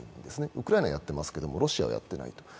ウクライナはやっていますけれども、ロシアはやっていないと。